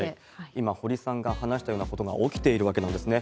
今、堀さんが話したようなことが起きているわけなんですね。